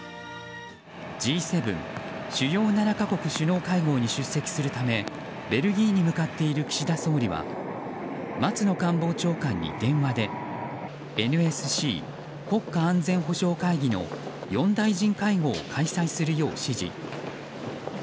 Ｇ７・主要７か国首脳会合に出席するためベルギーに向かっている岸田総理は松野官房長官に電話でＮＳＣ・国家安全保障会議の４大臣会合を開催するよう指示。